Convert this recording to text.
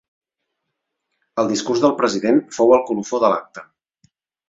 El discurs del president fou el colofó de l'acte.